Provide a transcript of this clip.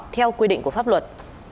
theo quy định của pháp luật